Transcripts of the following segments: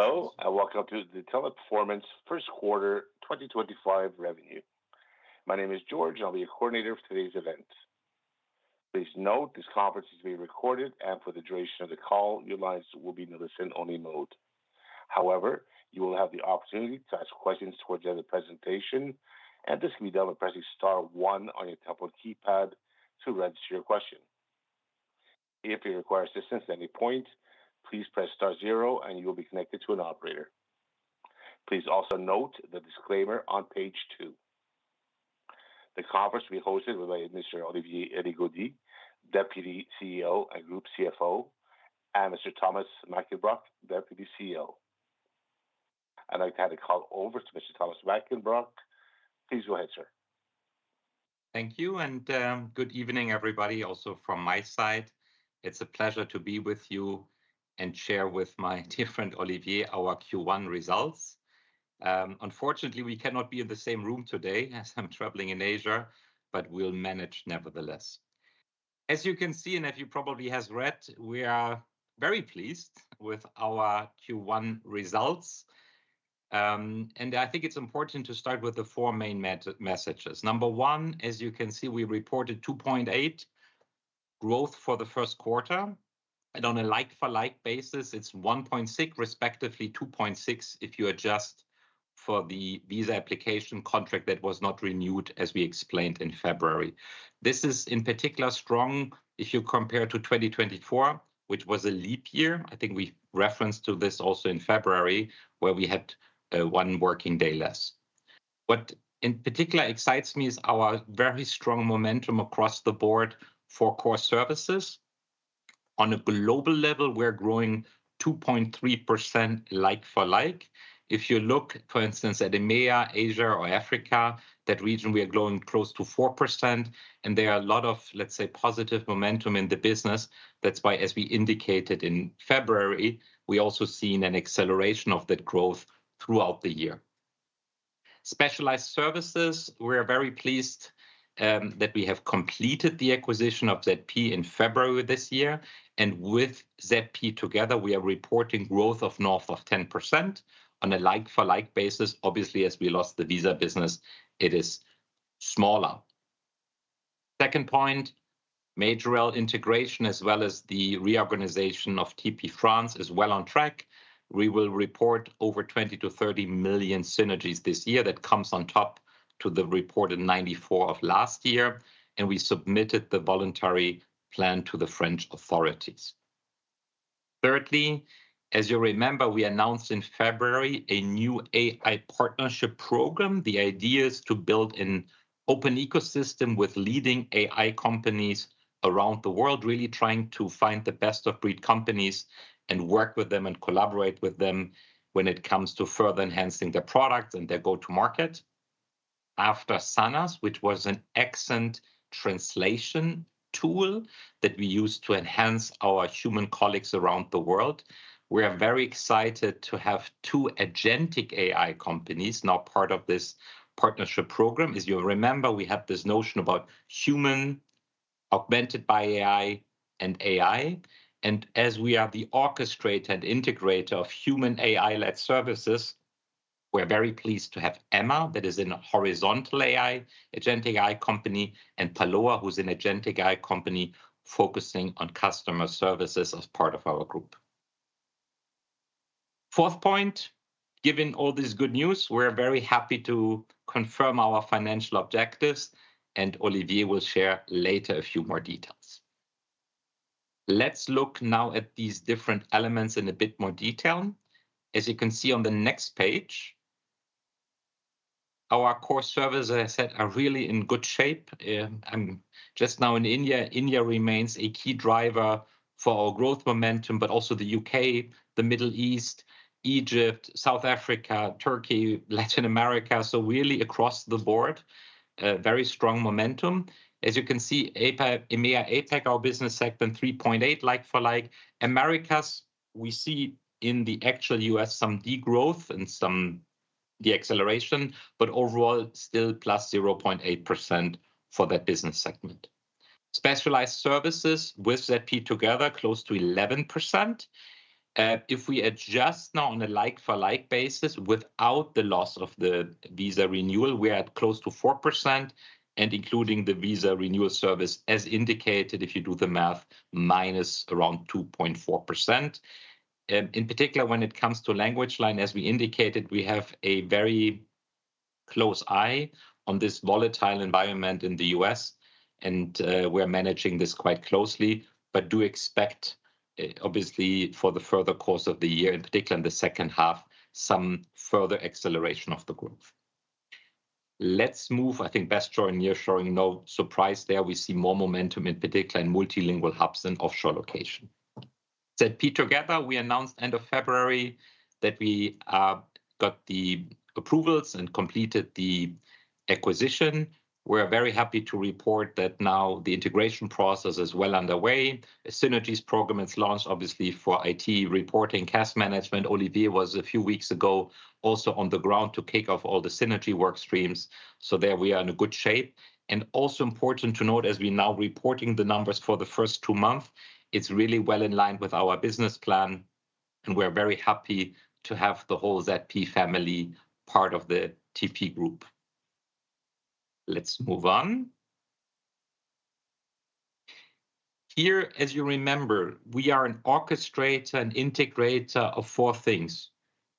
Hello, and welcome to the Teleperformance first quarter 2025 revenue. My name is George, and I'll be your coordinator for today's event. Please note this conference is being recorded, and for the duration of the call, your lines will be in a listen-only mode. However, you will have the opportunity to ask questions towards the end of the presentation, and this can be done by pressing star one on your telephone keypad to register your question. If you require assistance at any point, please press star zero, and you will be connected to an operator. Please also note the disclaimer on page two. The conference will be hosted by Mr. Olivier Rigaudy, Deputy CEO and Group CFO, and Mr. Thomas Mackenbrock, Deputy CEO. I'd like to hand the call over to Mr. Thomas Mackenbrock. Please go ahead, sir. Thank you, and good evening, everybody, also from my side. It's a pleasure to be with you and share with my dear friend Olivier our Q1 results. Unfortunately, we cannot be in the same room today as I'm traveling in Asia, but we'll manage nevertheless. As you can see, and as you probably have read, we are very pleased with our Q1 results. I think it's important to start with the four main messages. Number one, as you can see, we reported 2.8% growth for the first quarter. On a like-for-like basis, it's 1.6%, respectively 2.6% if you adjust for the visa application contract that was not renewed, as we explained in February. This is in particular strong if you compare to 2024, which was a leap year. I think we referenced this also in February, where we had one working day less. What in particular excites me is our very strong momentum across the board for core services. On a global level, we're growing 2.3% like-for-like. If you look, for instance, at EMEA, Asia, or Africa, that region, we are growing close to 4%, and there are a lot of, let's say, positive momentum in the business. That's why, as we indicated in February, we also see an acceleration of that growth throughout the year. Specialized services, we're very pleased that we have completed the acquisition of ZP in February this year. With ZP together, we are reporting growth of north of 10% on a like-for-like basis. Obviously, as we lost the visa business, it is smaller. Second point, Majorel integration, as well as the reorganization of TP France, is well on track. We will report over $20 million-$30 million synergies this year. That comes on top to the reported 94 of last year, and we submitted the voluntary plan to the French authorities. Thirdly, as you remember, we announced in February a new AI partnership program. The idea is to build an open ecosystem with leading AI companies around the world, really trying to find the best-of-breed companies and work with them and collaborate with them when it comes to further enhancing their product and their go-to-market. After Sanas, which was an accent translation tool that we used to enhance our human colleagues around the world, we are very excited to have two agentic AI companies now part of this partnership program. As you remember, we had this notion about human augmented by AI and EI. As we are the orchestrator and integrator of human AI-led services, we're very pleased to have Ema, that is a horizontal agentic AI company, and Parloa, who's an agentic AI company focusing on customer services as part of our group. Fourth point, given all this good news, we're very happy to confirm our financial objectives, and Olivier will share later a few more details. Let's look now at these different elements in a bit more detail. As you can see on the next page, our core services, as I said, are really in good shape. I'm just now in India. India remains a key driver for our growth momentum, but also the U.K., the Middle East, Egypt, South Africa, Turkey, Latin America. Really across the board, very strong momentum. As you can see, EMEA APAC, our business segment, 3.8 like-for-like. Americas, we see in the actual U.S. some degrowth and some de-acceleration, but overall still plus 0.8% for that business segment. Specialized services with ZP together, close to 11%. If we adjust now on a like-for-like basis without the loss of the visa renewal, we're at close to 4%, and including the visa renewal service, as indicated, if you do the math, minus around 2.4%. In particular, when it comes to LanguageLine, as we indicated, we have a very close eye on this volatile environment in the U.S., and we're managing this quite closely, but do expect, obviously, for the further course of the year, in particular in the second half, some further acceleration of the growth. Let's move, I think, Best Shore year showing no surprise there. We see more momentum, in particular in multilingual hubs and offshore location. ZP together, we announced end of February that we got the approvals and completed the acquisition. We're very happy to report that now the integration process is well underway. A synergies program is launched, obviously, for IT reporting, cash management. Olivier was a few weeks ago also on the ground to kick off all the synergy work streams. We are in a good shape. Also important to note, as we're now reporting the numbers for the first two months, it's really well in line with our business plan, and we're very happy to have the whole ZP family part of the TP group. Let's move on. Here, as you remember, we are an orchestrator and integrator of four things: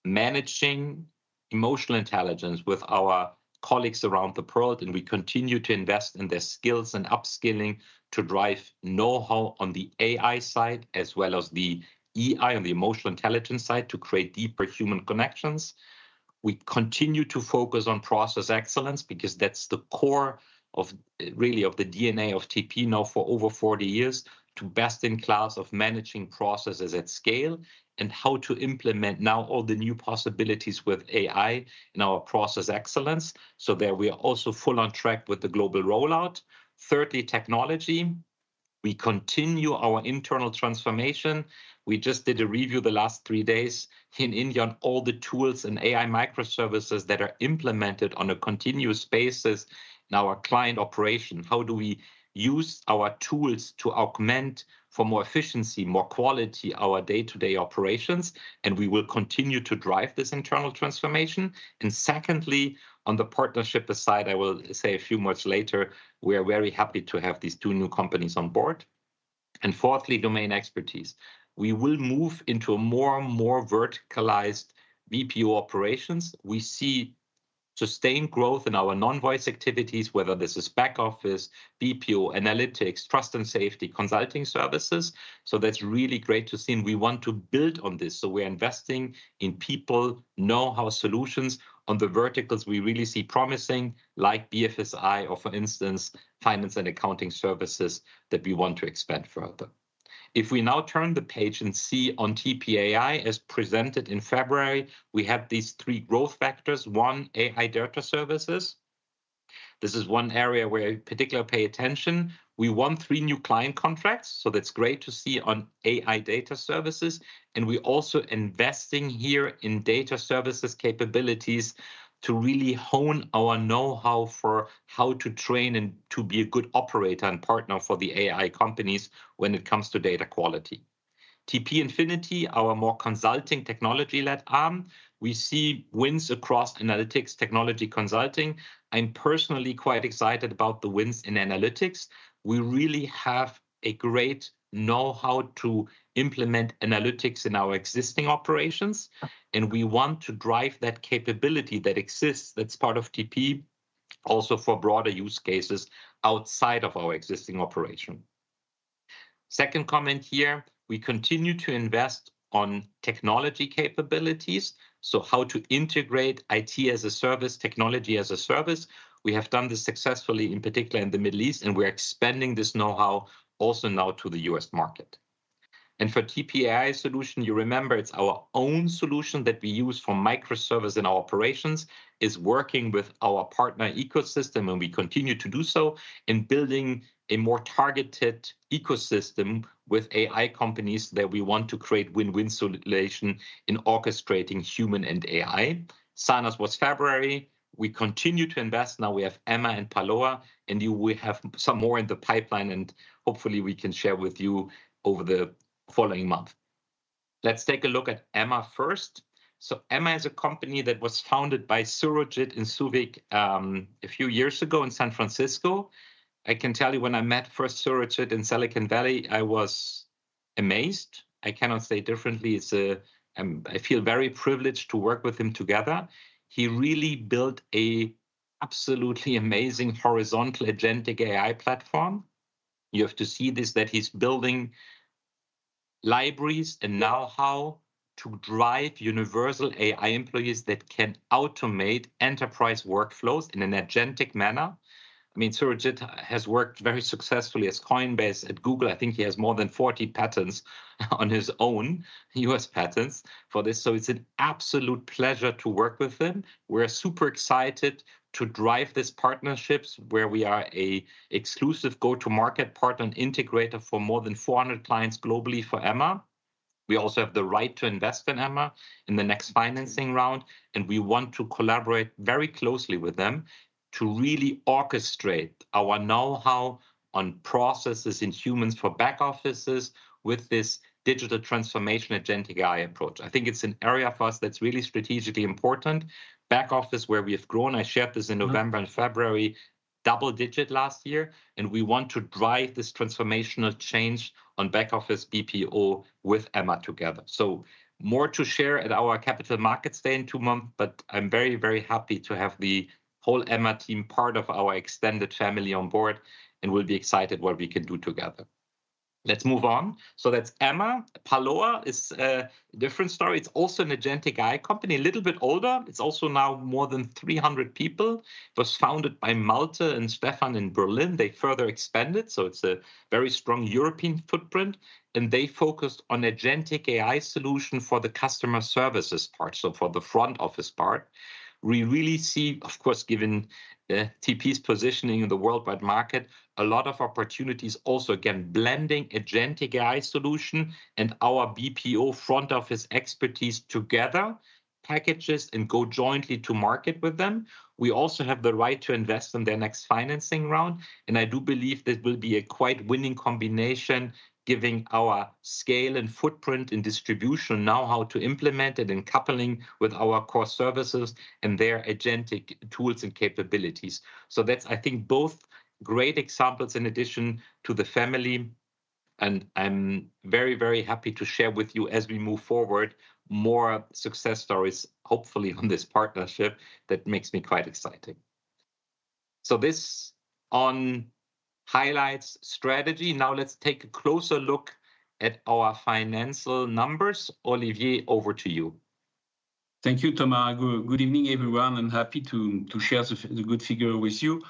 managing emotional intelligence with our colleagues around the world, and we continue to invest in their skills and upskilling to drive know-how on the AI side, as well as the EI on the emotional intelligence side to create deeper human connections. We continue to focus on process excellence because that's the core really of the DNA of TP now for over 40 years, to best in class of managing processes at scale and how to implement now all the new possibilities with AI in our process excellence. There we are also full on track with the global rollout. Thirdly, technology. We continue our internal transformation. We just did a review the last three days in India on all the tools and AI microservices that are implemented on a continuous basis in our client operation. How do we use our tools to augment for more efficiency, more quality, our day-to-day operations? We will continue to drive this internal transformation. Secondly, on the partnership side, I will say a few words later, we are very happy to have these two new companies on board. Fourthly, domain expertise. We will move into more and more verticalized BPO operations. We see sustained growth in our non-voice activities, whether this is back-office BPO, analytics, trust and safety, consulting services. That is really great to see, and we want to build on this. We are investing in people, know-how, solutions on the verticals we really see promising, like BFSI or, for instance, finance and accounting services that we want to expand further. If we now turn the page and see on TP.ai, as presented in February, we have these three growth factors. One, AI data services. This is one area where I particularly pay attention. We want three new client contracts. That is great to see on AI data services. We are also investing here in data services capabilities to really hone our know-how for how to train and to be a good operator and partner for the AI companies when it comes to data quality. TP Infinity, our more consulting technology-led arm, we see wins across analytics technology consulting. I am personally quite excited about the wins in analytics. We really have a great know-how to implement analytics in our existing operations, and we want to drive that capability that exists that is part of TP also for broader use cases outside of our existing operation. Second comment here, we continue to invest on technology capabilities. How to integrate IT as a service, technology as a service. We have done this successfully, in particular in the Middle East, and we are expanding this know-how also now to the U.S. market. For TP.ai solution, you remember it is our own solution that we use for microservice in our operations, is working with our partner ecosystem, and we continue to do so in building a more targeted ecosystem with AI companies that we want to create win-win solution in orchestrating human and AI. Sanas was February. We continue to invest. Now we have Ema and Parloa, and we have some more in the pipeline, and hopefully we can share with you over the following month. Let's take a look at Ema first. Ema is a company that was founded by Surojit and Souvik a few years ago in San Francisco. I can tell you when I met first Surojit in Silicon Valley, I was amazed. I cannot say differently. I feel very privileged to work with him together. He really built an absolutely amazing horizontal agentic AI platform. You have to see this that he's building libraries and know-how to drive universal AI employees that can automate enterprise workflows in an agentic manner. I mean, Surojit has worked very successfully at Coinbase at Google. I think he has more than 40 patents on his own U.S. patents for this. So it's an absolute pleasure to work with him. We're super excited to drive this partnership where we are an exclusive go-to-market partner and integrator for more than 400 clients globally for Ema. We also have the right to invest in Ema in the next financing round, and we want to collaborate very closely with them to really orchestrate our know-how on processes and humans for back offices with this digital transformation agentic AI approach. I think it's an area for us that's really strategically important. Back office where we have grown, I shared this in November and February, double-digit last year, and we want to drive this transformational change on back-office BPO with Ema together. More to share at our Capital Markets Day in two months, but I'm very, very happy to have the whole Ema team part of our extended family on board and will be excited what we can do together. Let's move on. That's Ema. Parloa is a different story. It's also an agentic AI company, a little bit older. It's also now more than 300 people. It was founded by Malte and Stefan in Berlin. They further expanded. It's a very strong European footprint, and they focused on agentic AI solution for the customer services part, for the front office part. We really see, of course, given TP's positioning in the worldwide market, a lot of opportunities also, again, blending agentic AI solution and our BPO front office expertise together, packages and go jointly to market with them. We also have the right to invest in their next financing round, and I do believe this will be a quite winning combination, giving our scale and footprint and distribution know-how to implement it in coupling with our core services and their agentic tools and capabilities. I think both great examples in addition to the family, and I'm very, very happy to share with you as we move forward more success stories, hopefully on this partnership that makes me quite excited. This on highlights strategy. Now let's take a closer look at our financial numbers. Olivier, over to you. Thank you, Thomas. Good evening, everyone, and happy to share the good figure with you.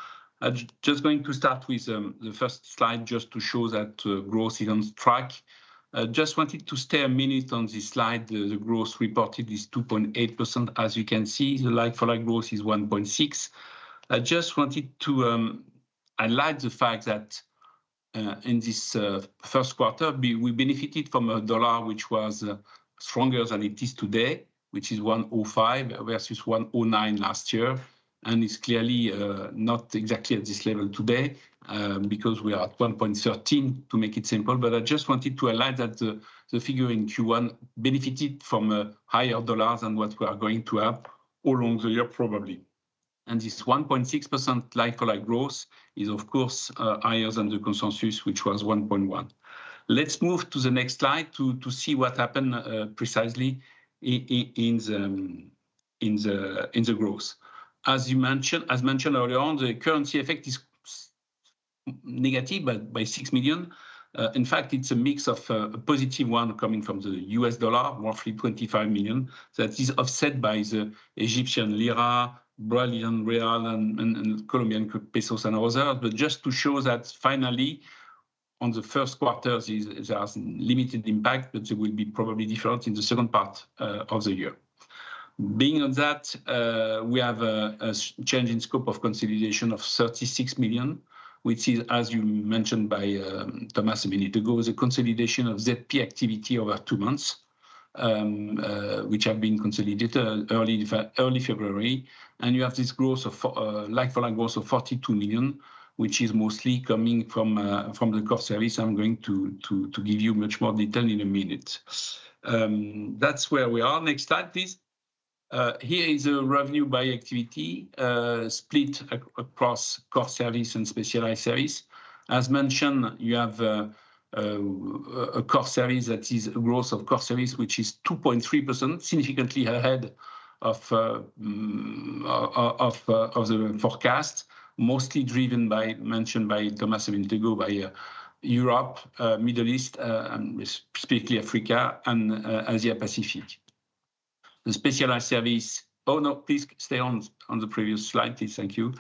Just going to start with the first slide just to show that growth is on track. Just wanted to stay a minute on this slide. The growth reported is 2.8%. As you can see, the like-for-like growth is 1.6%. I just wanted to highlight the fact that in this first quarter, we benefited from a dollar which was stronger than it is today, which is $1.05 versus $1.09 last year, and it is clearly not exactly at this level today because we are at $1.13, to make it simple. I just wanted to highlight that the figure in Q1 benefited from higher dollars than what we are going to have all over the year probably. This 1.6% like-for-like growth is, of course, higher than the consensus, which was 1.1%. Let's move to the next slide to see what happened precisely in the growth. As you mentioned earlier, the currency effect is negative by $6 million. In fact, it's a mix of a positive one coming from the U.S. dollar, roughly $25 million. That is offset by the Egyptian lira, Brazilian real, and Colombian peso and others. Just to show that finally, on the first quarter, there are limited impacts, but there will be probably difference in the second part of the year. Being on that, we have a change in scope of consolidation of $36 million, which is, as you mentioned by Thomas a minute ago, the consolidation of ZP activity over two months, which have been consolidated early February. You have this growth of like-for-like growth of $42 million, which is mostly coming from the core service. I'm going to give you much more detail in a minute. That's where we are. Next slide, please. Here is a revenue by activity split across core service and specialized service. As mentioned, you have a core service that is a growth of core service, which is 2.3%, significantly ahead of the forecast, mostly driven by, mentioned by Thomas a minute ago, by Europe, Middle East, and specifically Africa and Asia-Pacific. The specialized service, oh no, please stay on the previous slide, please. Thank you.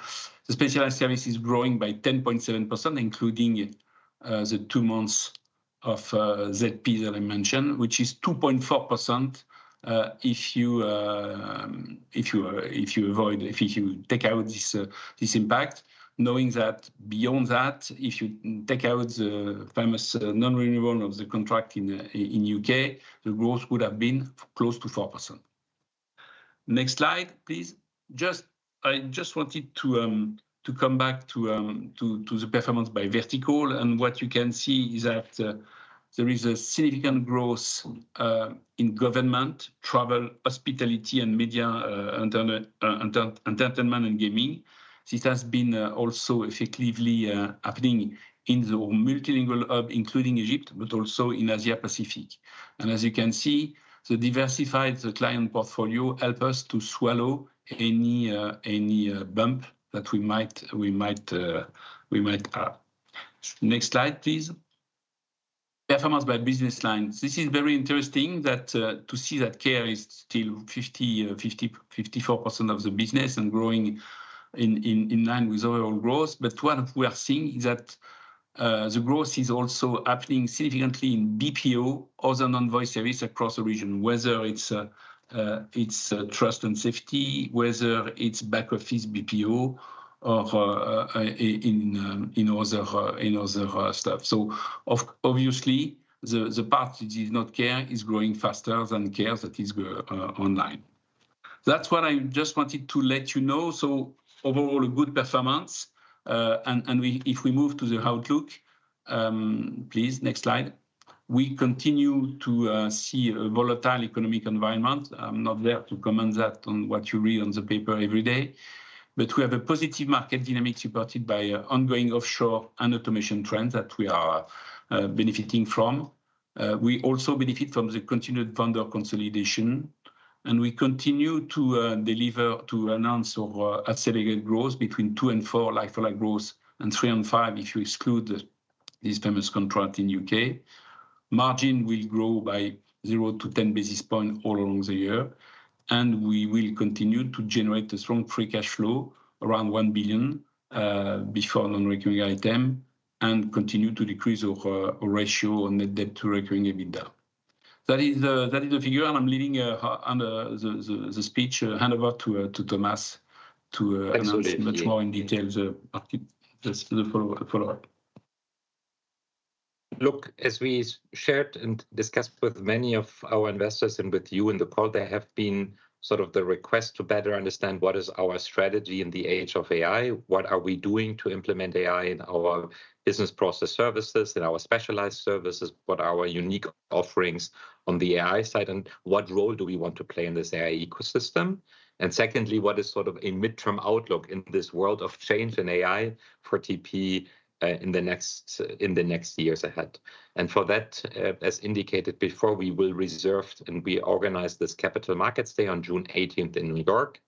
The specialized service is growing by 10.7%, including the two months of ZP that I mentioned, which is 2.4% if you avoid, if you take out this impact. Knowing that beyond that, if you take out the famous non-renewal of the contract in the U.K., the growth would have been close to 4%. Next slide, please. I just wanted to come back to the performance by vertical, and what you can see is that there is significant growth in government, travel, hospitality, and media entertainment and gaming. This has been also effectively happening in the multilingual hub, including Egypt, but also in Asia-Pacific. As you can see, the diversified client portfolio helps us to swallow any bump that we might have. Next slide, please. Performance by business lines. This is very interesting to see that Care is still 54% of the business and growing in line with overall growth. What we are seeing is that the growth is also happening significantly in BPO, other non-voice services across the region, whether it's trust and safety, whether it's back-office BPO, or in other stuff. Obviously, the part that is not Care is growing faster than Care that is online. That's what I just wanted to let you know. Overall, a good performance. If we move to the outlook, please, next slide. We continue to see a volatile economic environment. I'm not there to comment on what you read on the paper every day. We have a positive market dynamic supported by ongoing offshore and automation trends that we are benefiting from. We also benefit from the continued vendor consolidation, and we continue to deliver, to announce or accelerate growth between 2%-4% like-for-like growth and 3%-5% if you exclude these famous contracts in the U.K. Margin will grow by 0-10 basis points all along the year, and we will continue to generate a strong free cash flow around $1 billion before non-recurring item and continue to decrease our ratio on net debt to recurring EBITDA. That is the figure, and I'm leaving the speech handover to Thomas to announce much more in detail the follow-up. Look, as we shared and discussed with many of our investors and with you in the call, there have been sort of the request to better understand what is our strategy in the age of AI, what are we doing to implement AI in our business process services, in our specialized services, what are our unique offerings on the AI side, and what role do we want to play in this AI ecosystem? Secondly, what is sort of a midterm outlook in this world of change in AI for TP in the next years ahead? For that, as indicated before, we will reserve and we organize this Capital Markets Day on June 18 in New York.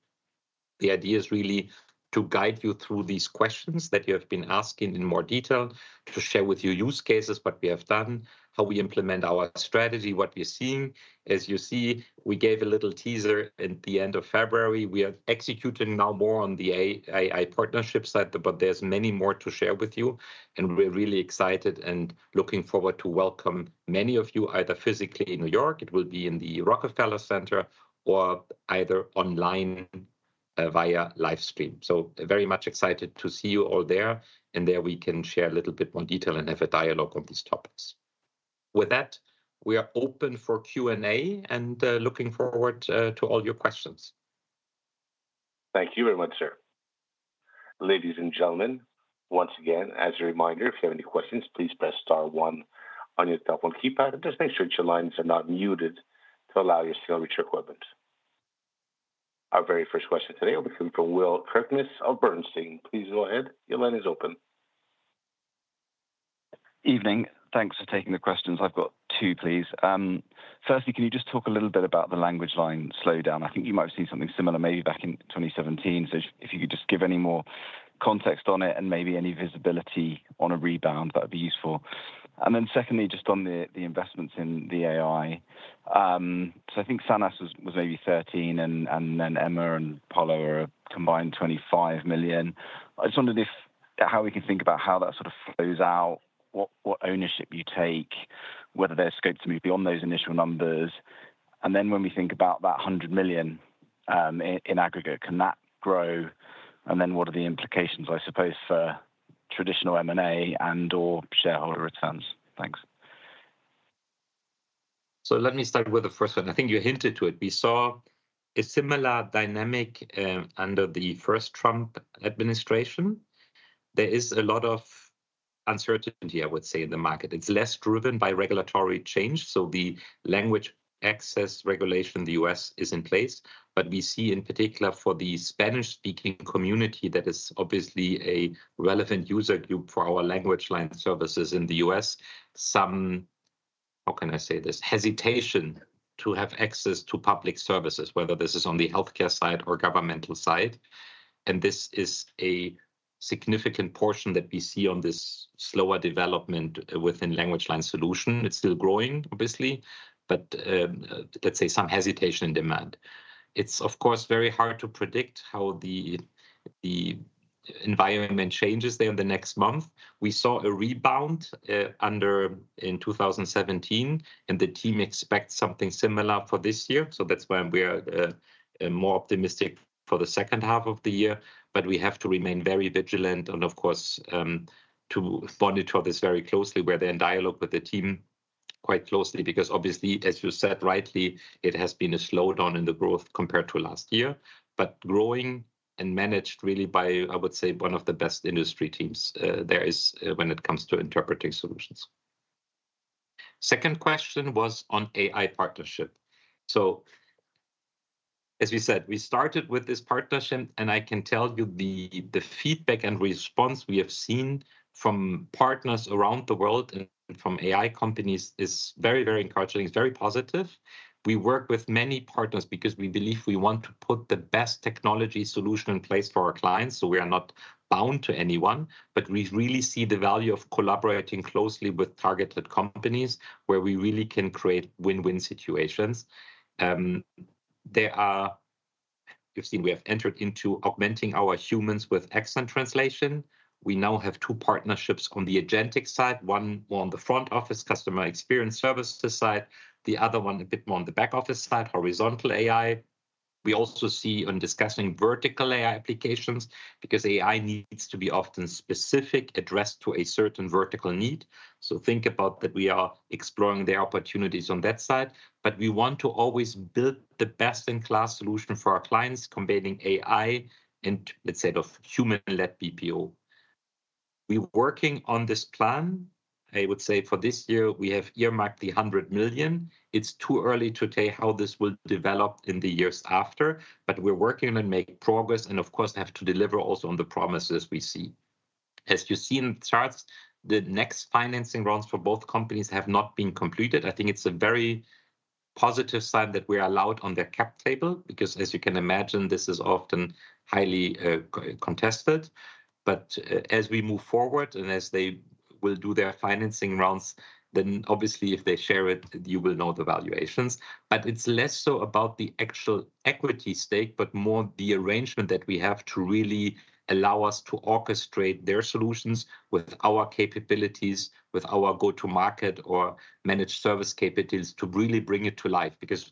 The idea is really to guide you through these questions that you have been asking in more detail, to share with you use cases, what we have done, how we implement our strategy, what we're seeing. As you see, we gave a little teaser at the end of February. We are executing now more on the AI partnership side, but there's many more to share with you, and we're really excited and looking forward to welcome many of you either physically in New York, it will be in the Rockefeller Center, or either online via live stream. Very much excited to see you all there, and there we can share a little bit more detail and have a dialogue on these topics. With that, we are open for Q&A and looking forward to all your questions. Thank you very much, sir. Ladies and gentlemen, once again, as a reminder, if you have any questions, please press star one on your telephone keypad and just make sure that your lines are not muted to allow your signal reach your equipment. Our very first question today will be coming from Will Kirkness of Bernstein. Please go ahead. Your line is open. Evening. Thanks for taking the questions. I've got two, please. Firstly, can you just talk a little bit about the LanguageLine slowdown? I think you might have seen something similar maybe back in 2017. If you could just give any more context on it and maybe any visibility on a rebound, that would be useful. Secondly, just on the investments in the AI. I think Sanas was maybe $13 million, and then Ema and Parloa are combined $25 million. I just wondered how we can think about how that sort of flows out, what ownership you take, whether there's scope to move beyond those initial numbers. When we think about that $100 million in aggregate, can that grow? What are the implications, I suppose, for traditional M&A and/or shareholder returns? Thanks. Let me start with the first one. I think you hinted to it. We saw a similar dynamic under the first Trump administration. There is a lot of uncertainty, I would say, in the market. It's less driven by regulatory change. The language access regulation in the U.S. is in place, but we see in particular for the Spanish-speaking community that is obviously a relevant user group for our LanguageLine services in the U.S., some, how can I say this, hesitation to have access to public services, whether this is on the healthcare side or governmental side. This is a significant portion that we see on this slower development within LanguageLine Solutions. It's still growing, obviously, but let's say some hesitation in demand. It's, of course, very hard to predict how the environment changes there in the next month. We saw a rebound in 2017, and the team expects something similar for this year. That is why we are more optimistic for the second half of the year, but we have to remain very vigilant and, of course, to monitor this very closely. We are in dialogue with the team quite closely because obviously, as you said rightly, it has been a slowdown in the growth compared to last year, but growing and managed really by, I would say, one of the best industry teams there is when it comes to interpreting solutions. The second question was on AI partnership. As we said, we started with this partnership, and I can tell you the feedback and response we have seen from partners around the world and from AI companies is very, very encouraging. It is very positive. We work with many partners because we believe we want to put the best technology solution in place for our clients, so we are not bound to anyone, but we really see the value of collaborating closely with targeted companies where we really can create win-win situations. You've seen we have entered into augmenting our humans with accent translation. We now have two partnerships on the agentic side, one more on the front office customer experience services side, the other one a bit more on the back office side, horizontal AI. We also see on discussing vertical AI applications because AI needs to be often specific, addressed to a certain vertical need. Think about that we are exploring their opportunities on that side, but we want to always build the best-in-class solution for our clients combining AI and, let's say, human-led BPO. We're working on this plan. I would say for this year, we have earmarked the $100 million. It's too early to tell how this will develop in the years after, but we're working on making progress and, of course, have to deliver also on the promises we see. As you see in the charts, the next financing rounds for both companies have not been completed. I think it's a very positive sign that we're allowed on their cap table because, as you can imagine, this is often highly contested. As we move forward and as they will do their financing rounds, then obviously, if they share it, you will know the valuations. It is less so about the actual equity stake, but more the arrangement that we have to really allow us to orchestrate their solutions with our capabilities, with our go-to-market or managed service capabilities to really bring it to life because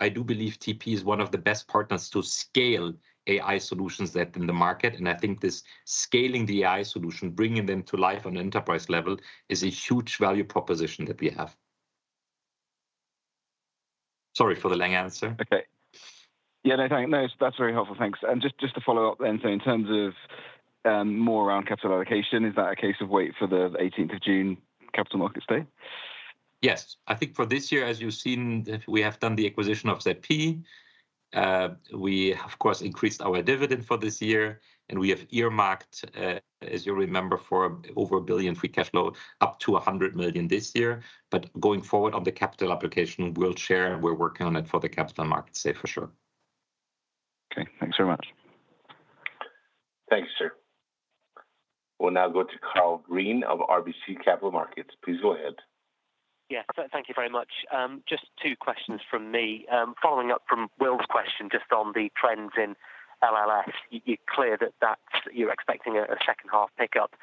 I do believe TP is one of the best partners to scale AI solutions that are in the market. I think this scaling the AI solution, bringing them to life on an enterprise level, is a huge value proposition that we have. Sorry for the long answer. Okay. Yeah, no, thanks. No, that's very helpful. Thanks. Just to follow up then, in terms of more around capital allocation, is that a case of wait for the 18th of June Capital Markets Day? Yes. I think for this year, as you've seen, we have done the acquisition of ZP. We, of course, increased our dividend for this year, and we have earmarked, as you remember, for over $1 billion free cash flow up to $100 million this year. Going forward on the capital application, we'll share, and we're working on it for the Capital Markets Day for sure. Okay. Thanks very much. Thank you, sir. We'll now go to Karl Green of RBC Capital Markets. Please go ahead. Yes, thank you very much. Just two questions from me. Following up from Will's question just on the trends in LLS, it's clear that you're expecting a second-half pickup.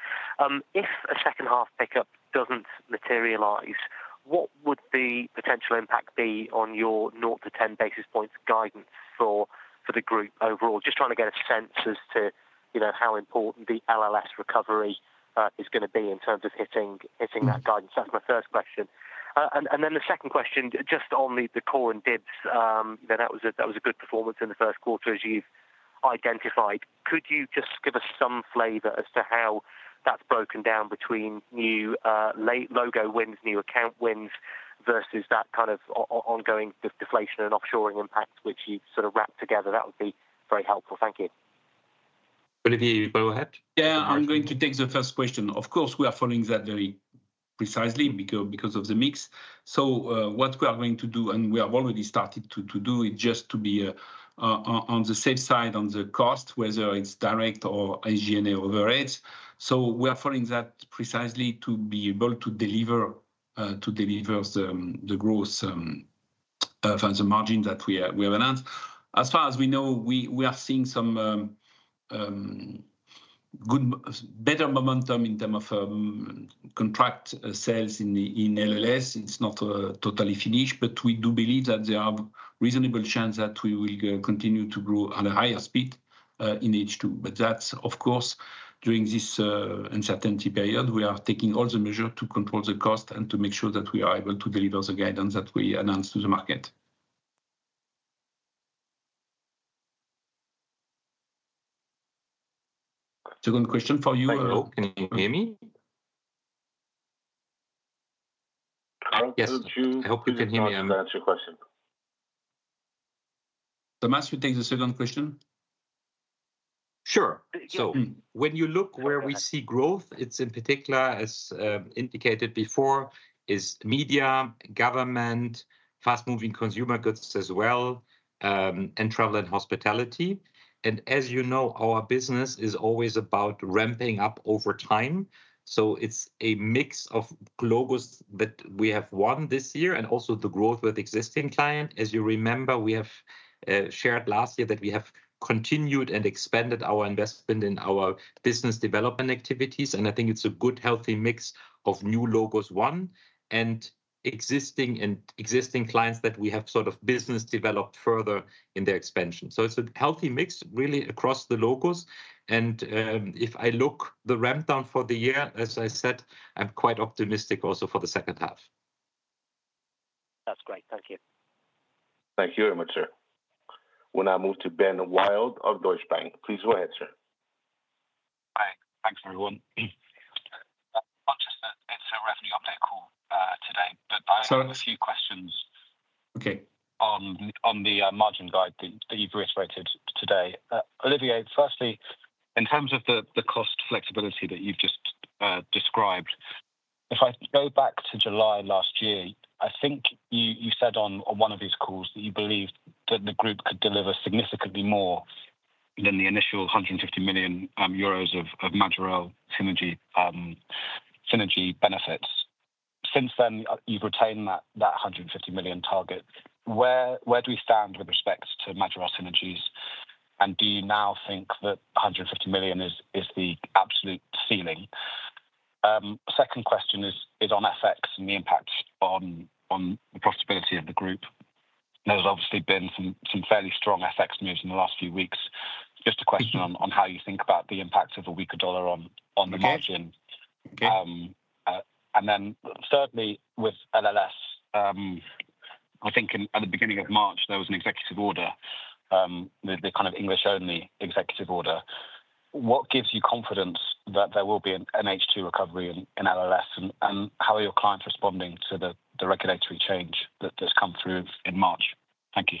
If a second-half pickup doesn't materialize, what would the potential impact be on your 0 to 10 basis points guidance for the group overall? Just trying to get a sense as to how important the LLS recovery is going to be in terms of hitting that guidance. That's my first question. Then the second question, just on the core and DIBS, that was a good performance in the first quarter, as you've identified. Could you just give us some flavor as to how that's broken down between new logo wins, new account wins versus that kind of ongoing deflation and offshoring impact, which you've sort of wrapped together? That would be very helpful. Thank you. Olivier, you go ahead. Yeah, I'm going to take the first question. Of course, we are following that very precisely because of the mix. What we are going to do, and we have already started to do, is just to be on the safe side on the cost, whether it's direct or G&A overheads. We are following that precisely to be able to deliver the growth from the margin that we have announced. As far as we know, we are seeing some better momentum in terms of contract sales in LLS. It's not totally finished, but we do believe that there are reasonable chances that we will continue to grow at a higher speed in H2. Of course, during this uncertainty period, we are taking all the measures to control the cost and to make sure that we are able to deliver the guidance that we announced to the market. Second question for you. Hello, can you hear me? Yes. I hope you can hear me. I'm going to answer your question. Thomas, you take the second question. Sure. When you look where we see growth, it's in particular, as indicated before, media, government, fast-moving consumer goods as well, and travel and hospitality. As you know, our business is always about ramping up over time. It's a mix of logos that we have won this year and also the growth with existing clients. As you remember, we have shared last year that we have continued and expanded our investment in our business development activities. I think it's a good, healthy mix of new logos won and existing clients that we have sort of business developed further in their expansion. It's a healthy mix, really, across the logos. If I look at the ramp-down for the year, as I said, I'm quite optimistic also for the second half. That's great. Thank you. Thank you very much, sir. We'll now move to Ben Wild of Deutsche Bank. Please go ahead, sir. Thanks, everyone. It's a revenue update call today, but I have a few questions on the margin guide that you've reiterated today. Olivier, firstly, in terms of the cost flexibility that you've just described, if I go back to July last year, I think you said on one of these calls that you believed that the group could deliver significantly more than the initial 150 million euros of Majorel synergy benefits. Since then, you've retained that 150 million target. Where do we stand with respect to Majorel synergies? Do you now think that 150 million is the absolute ceiling? Second question is on FX and the impact on the profitability of the group. There's obviously been some fairly strong FX moves in the last few weeks. Just a question on how you think about the impact of a weaker dollar on the margin. Thirdly, with LLS, I think at the beginning of March, there was an executive order, the kind of English-only executive order. What gives you confidence that there will be an H2 recovery in LLS? And how are your clients responding to the regulatory change that's come through in March? Thank you.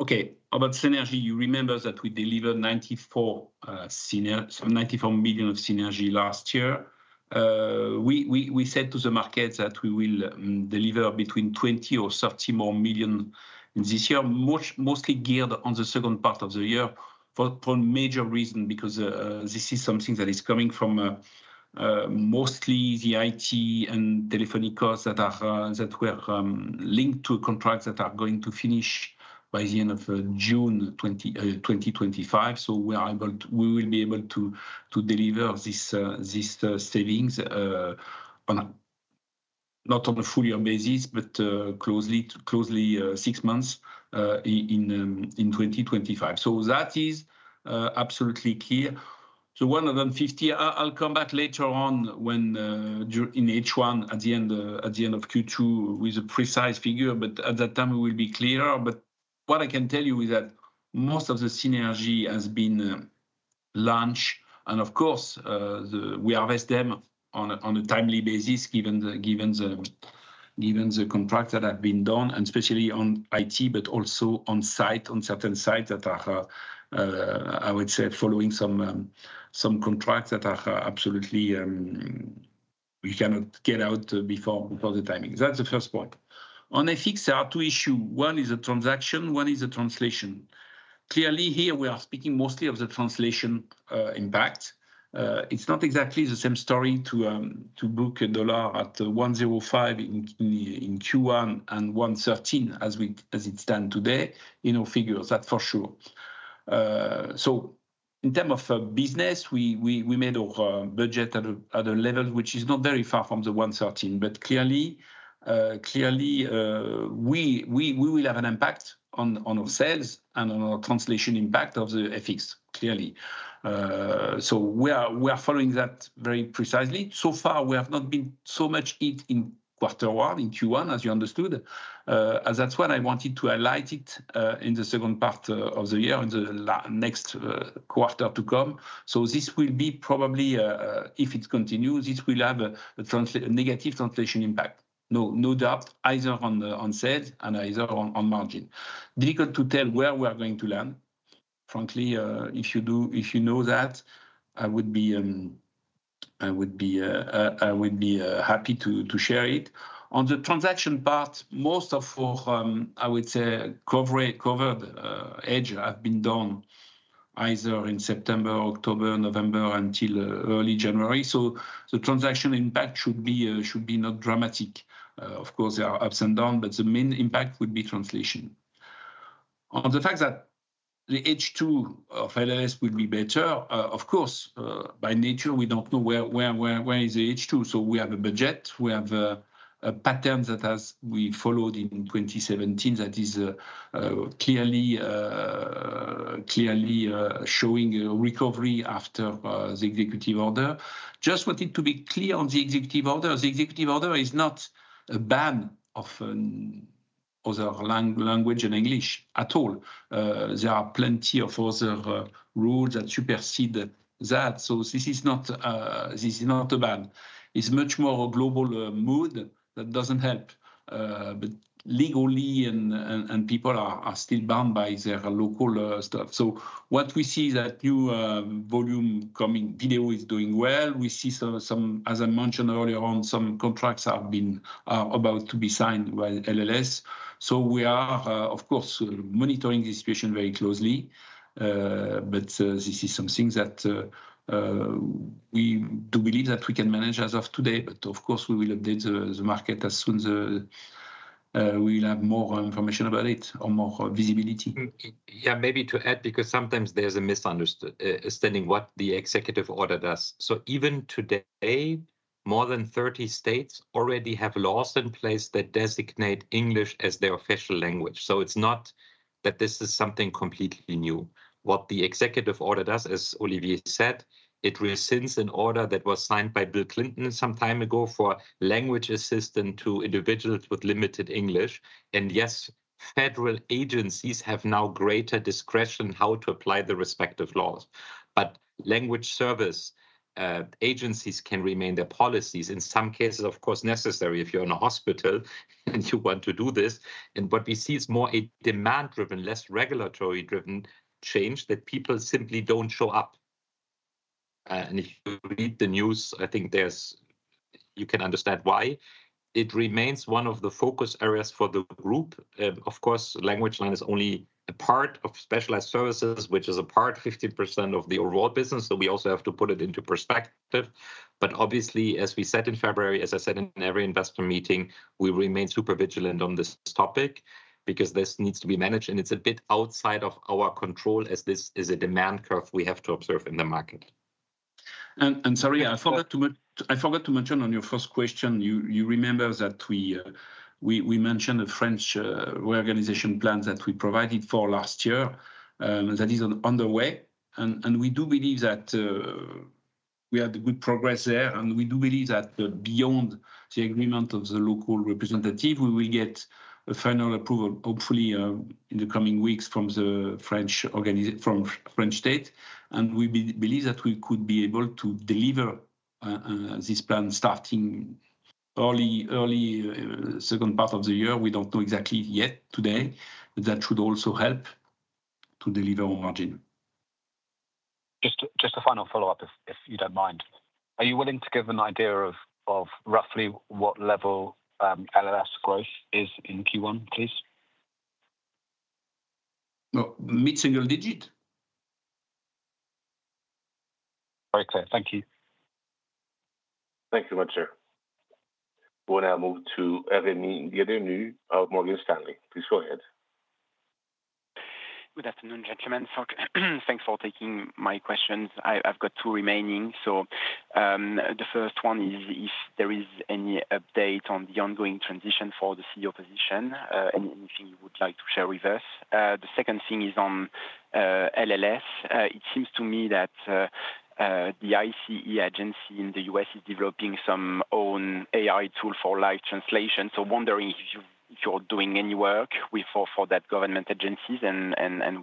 Okay. About synergy, you remember that we delivered $94 million of synergy last year. We said to the market that we will deliver between $20 million or $30 million more this year, mostly geared on the second part of the year for a major reason, because this is something that is coming from mostly the IT and telephony costs that were linked to contracts that are going to finish by the end of June 2025. We will be able to deliver these savings not on a full-year basis, but closely six months in 2025. That is absolutely clear. hundred fifty, I'll come back later on in H1 at the end of Q2 with a precise figure, but at that time, we will be clearer. What I can tell you is that most of the synergy has been launched. Of course, we harvest them on a timely basis, given the contracts that have been done, and especially on IT, but also on site, on certain sites that are, I would say, following some contracts that are absolutely we cannot get out before the timing. That's the first point. On FX, there are two issues. One is the transaction, one is the translation. Clearly, here we are speaking mostly of the translation impact. It's not exactly the same story to book a dollar at $1.05 in Q1 and $1.13 as it stands today in our figures, that's for sure. In terms of business, we made our budget at a level which is not very far from the $1.13, but clearly we will have an impact on our sales and on our translation impact of the FX, clearly. We are following that very precisely. So far, we have not been so much hit in quarter one, in Q1, as you understood. That is why I wanted to highlight it in the second part of the year, in the next quarter to come. This will be probably, if it continues, this will have a negative translation impact, no doubt, either on sales and either on margin. Difficult to tell where we are going to land. Frankly, if you know that, I would be happy to share it. On the transaction part, most of our, I would say, covered hedge have been done either in September, October, November, until early January. The transaction impact should be not dramatic. Of course, there are ups and downs, but the main impact would be translation. On the fact that the H2 of LLS will be better, of course, by nature, we don't know where is the H2. We have a budget. We have a pattern that we followed in 2017 that is clearly showing a recovery after the executive order. I just wanted to be clear on the executive order. The executive order is not a ban of other language and English at all. There are plenty of other rules that supersede that. This is not a ban. It is much more a global mood that doesn't help. Legally, people are still bound by their local stuff. What we see is that new volume coming video is doing well. We see some, as I mentioned earlier, on some contracts have been about to be signed by LanguageLine Solutions. We are, of course, monitoring the situation very closely. This is something that we do believe that we can manage as of today. Of course, we will update the market as soon as we have more information about it or more visibility. Maybe to add, because sometimes there is a misunderstanding what the executive order does. Even today, more than 30 states already have laws in place that designate English as their official language. It is not that this is something completely new. What the executive order does, as Olivier said, it rescinds an order that was signed by Bill Clinton some time ago for language assistance to individuals with limited English. Yes, federal agencies have now greater discretion how to apply the respective laws. Language service agencies can remain their policies, in some cases, of course, necessary if you're in a hospital and you want to do this. What we see is more a demand-driven, less regulatory-driven change that people simply don't show up. If you read the news, I think you can understand why. It remains one of the focus areas for the group. Of course, LanguageLine is only a part of specialized services, which is a part, 50% of the overall business. We also have to put it into perspective. Obviously, as we said in February, as I said in every investor meeting, we remain super vigilant on this topic because this needs to be managed. It is a bit outside of our control as this is a demand curve we have to observe in the market. Sorry, I forgot to mention on your first question, you remember that we mentioned a French reorganization plan that we provided for last year that is underway. We do believe that we have good progress there. We do believe that beyond the agreement of the local representative, we will get a final approval, hopefully in the coming weeks from the French state. We believe that we could be able to deliver this plan starting early second part of the year. We do not know exactly yet today. That should also help to deliver on margin. Just a final follow-up, if you do not mind. Are you willing to give an idea of roughly what level LLS growth is in Q1, please? Mid-single digit. Very clear. Thank you. Thank you very much, sir. We'll now move to Rémi Grenu of Morgan Stanley. Please go ahead. Good afternoon, gentlemen. Thanks for taking my questions. I've got two remaining. The first one is if there is any update on the ongoing transition for the CEO position, anything you would like to share with us. The second thing is on LLS. It seems to me that the ICE agency in the U.S. is developing some own AI tool for live translation. Wondering if you're doing any work for that government agencies and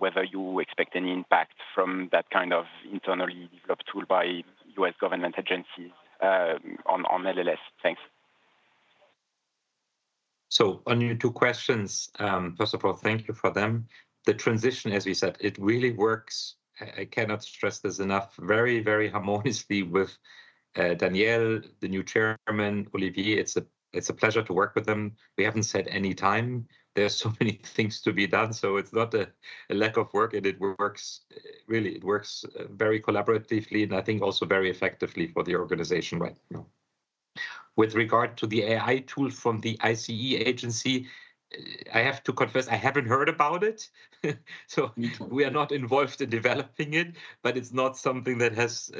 whether you expect any impact from that kind of internally developed tool by U.S. government agencies on LLS. Thanks. On your two questions, first of all, thank you for them. The transition, as we said, it really works. I cannot stress this enough, very, very harmoniously with Daniel, the new chairman, Olivier. It's a pleasure to work with them. We haven't set any time. There are so many things to be done. It's not a lack of work. It works, really. It works very collaboratively and I think also very effectively for the organization right now. With regard to the AI tool from the ICE agency, I have to confess, I haven't heard about it. We are not involved in developing it, but it's not something that has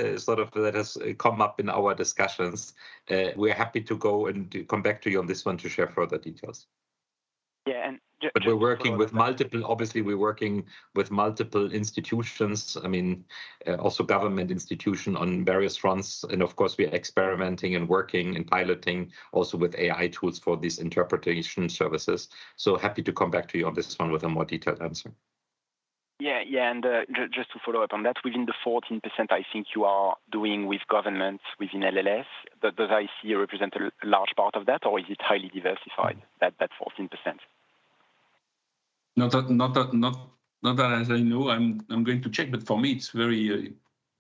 come up in our discussions. We're happy to go and come back to you on this one to share further details. Yeah. We're working with multiple, obviously, we're working with multiple institutions, I mean, also government institutions on various fronts. Of course, we are experimenting and working and piloting also with AI tools for these interpretation services. Happy to come back to you on this one with a more detailed answer. Yeah, yeah. Just to follow up on that, within the 14%, I think you are doing with governments within LLS. Does ICE represent a large part of that, or is it highly diversified, that 14%? Not that I know. I'm going to check, but for me, it's very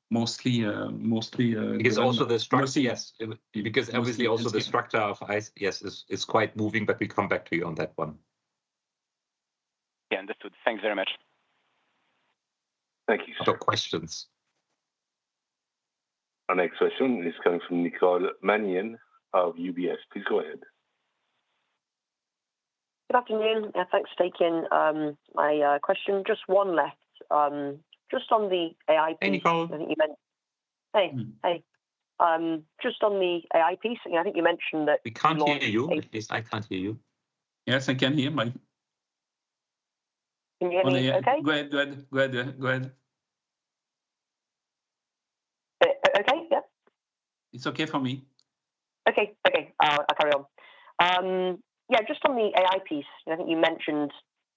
mostly. Because also the structure. Yes, because obviously also the structure of ICE is quite moving, but we'll come back to you on that one. Yeah, understood. Thanks very much. Thank you. Some questions. Our next question is coming from Nicole Manion of UBS. Please go ahead. Good afternoon. Thanks for taking my question. Just one left. Just on the AI piece. Hey, Nicole. I think you meant. Hey, hey. Just on the AI piece, I think you mentioned that. We can't hear you. I can't hear you. Yes, I can hear you. Can you hear me okay? Go ahead, go ahead. Okay, yeah. It's okay for me. Okay, I'll carry on. Yeah, just on the AI piece, I think you mentioned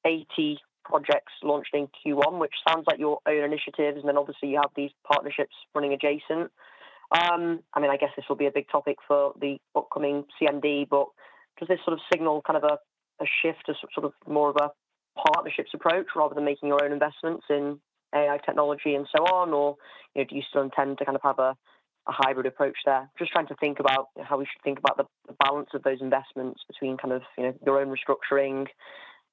80 projects launched in Q1, which sounds like your own initiatives. I mean, I guess this will be a big topic for the upcoming CMD, but does this sort of signal kind of a shift to sort of more of a partnerships approach rather than making your own investments in AI technology and so on? Or do you still intend to kind of have a hybrid approach there? Just trying to think about how we should think about the balance of those investments between kind of your own restructuring,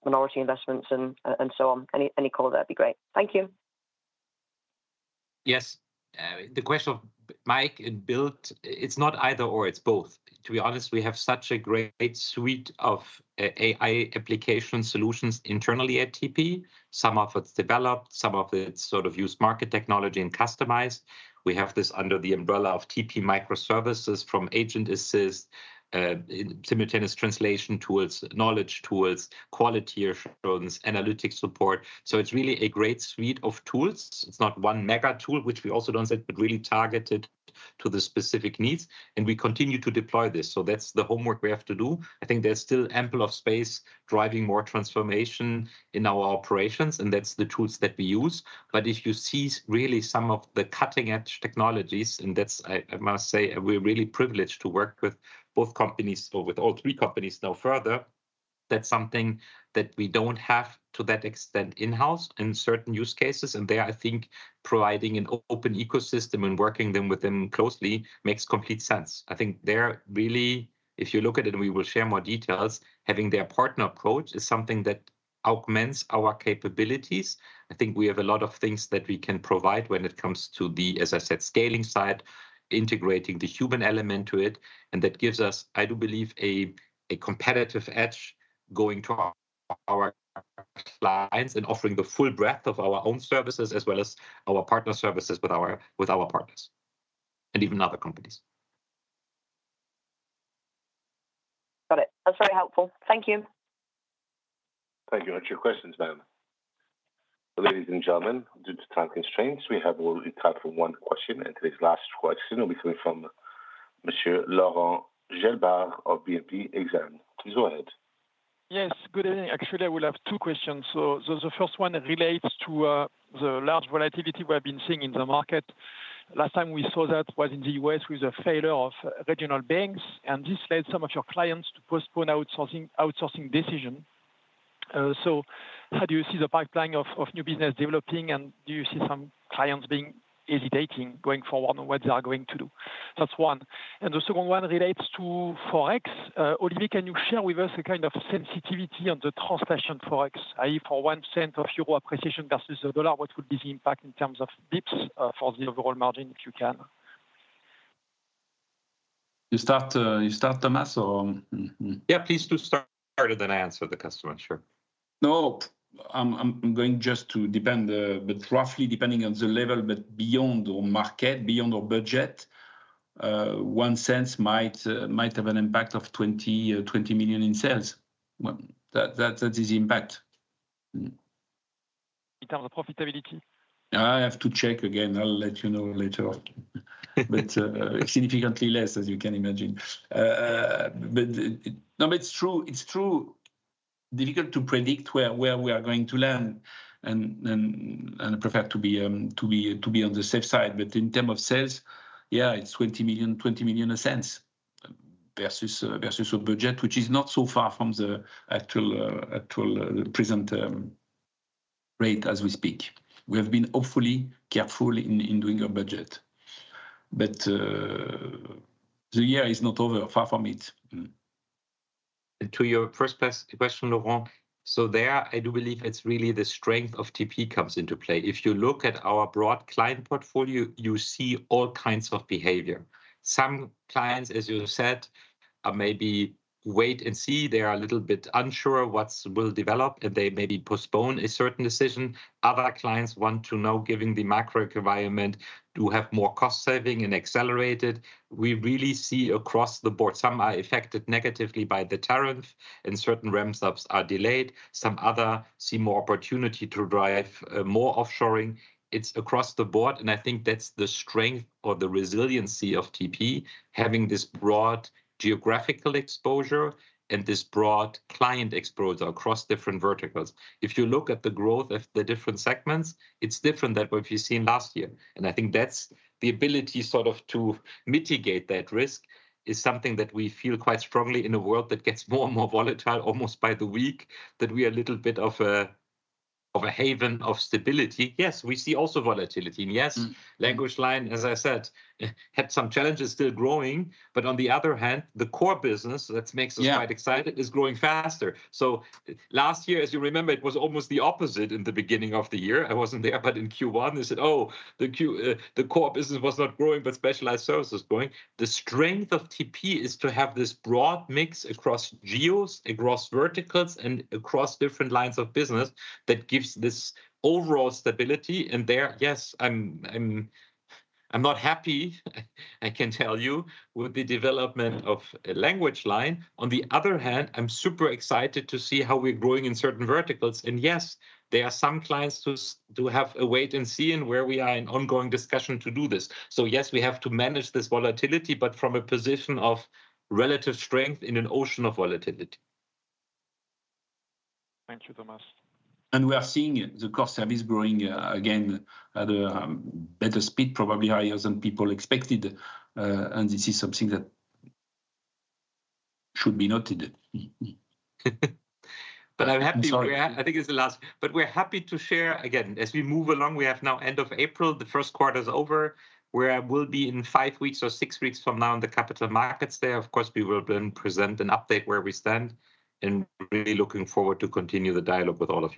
minority investments, and so on. Any color there would be great. Thank you. Yes. The question of make and buy, it's not either or, it's both. To be honest, we have such a great suite of AI application solutions internally at TP. Some of it's developed, some of it's sort of used market technology and customized. We have this under the umbrella of TP microservices from Agent Assist, simultaneous translation tools, knowledge tools, quality assurance, analytic support. It's really a great suite of tools. It's not one mega tool, which we also don't say, but really targeted to the specific needs. We continue to deploy this. That's the homework we have to do. I think there's still ample of space driving more transformation in our operations, and that's the tools that we use. If you see really some of the cutting-edge technologies, and that's, I must say, we're really privileged to work with both companies or with all three companies now further, that's something that we don't have to that extent in-house in certain use cases. There, I think providing an open ecosystem and working with them closely makes complete sense. I think they're really, if you look at it, we will share more details. Having their partner approach is something that augments our capabilities. I think we have a lot of things that we can provide when it comes to the, as I said, scaling side, integrating the human element to it. That gives us, I do believe, a competitive edge going to our clients and offering the full breadth of our own services as well as our partner services with our partners and even other companies. Got it. That's very helpful. Thank you. Thank you. What's your questions, ma'am? Ladies and gentlemen, due to time constraints, we have only time for one question. Today's last question will be coming from Mr. Laurent Gélébart of BNP Exane. Please go ahead. Yes, good evening. Actually, I will have two questions. The first one relates to the large volatility we have been seeing in the market. Last time we saw that was in the U.S. with the failure of regional banks. This led some of your clients to postpone outsourcing decisions. How do you see the pipeline of new business developing? Do you see some clients being hesitating going forward on what they are going to do? That's one. The second one relates to Forex. Olivier, can you share with us the kind of sensitivity on the translation Forex, i.e., for one cent of euro appreciation versus the dollar, what would be the impact in terms of dips for the overall margin if you can? You start, Thomas, or? Yeah, please do start. I'll try to then answer the customer, sure. No, I'm going just to depend, but roughly depending on the level, but beyond our market, beyond our budget, one cent might have an impact of 20 million in sales. That is the impact. In terms of profitability? I have to check again. I'll let you know later. Significantly less, as you can imagine. No, it's true. It's true. Difficult to predict where we are going to land. I prefer to be on the safe side. In terms of sales, yeah, it's $20 million a cent versus a budget, which is not so far from the actual present rate as we speak. We have been hopefully careful in doing our budget. The year is not over, far from it. To your first question, Laurent, there, I do believe it's really the strength of TP comes into play. If you look at our broad client portfolio, you see all kinds of behavior. Some clients, as you said, maybe wait and see. They are a little bit unsure what will develop, and they maybe postpone a certain decision. Other clients want to know, given the macro environment, do have more cost saving and accelerated. We really see across the board. Some are affected negatively by the tariff, and certain ramps-ups are delayed. Some others see more opportunity to drive more offshoring. It's across the board. I think that's the strength or the resiliency of TP, having this broad geographical exposure and this broad client exposure across different verticals. If you look at the growth of the different segments, it's different than what we've seen last year. I think the ability sort of to mitigate that risk is something that we feel quite strongly in a world that gets more and more volatile, almost by the week, that we are a little bit of a haven of stability. Yes, we see also volatility. Yes, LanguageLine, as I said, had some challenges still growing. On the other hand, the core business, that makes us quite excited, is growing faster. Last year, as you remember, it was almost the opposite in the beginning of the year. I wasn't there, but in Q1, they said, "Oh, the core business was not growing, but specialized services are growing." The strength of TP is to have this broad mix across geos, across verticals, and across different lines of business that gives this overall stability. Yes, I'm not happy, I can tell you, with the development of LanguageLine. On the other hand, I'm super excited to see how we're growing in certain verticals. Yes, there are some clients who have a wait and see in where we are in ongoing discussion to do this. We have to manage this volatility, but from a position of relative strength in an ocean of volatility. Thank you, Thomas. We are seeing the core service growing again at a better speed, probably higher than people expected. This is something that should be noted. I'm happy to share. I think it's the last. We're happy to share again. As we move along, we have now end of April, the first quarter is over. We will be in five weeks or six weeks from now in the capital markets there. Of course, we will then present an update where we stand. Really looking forward to continue the dialogue with all of you.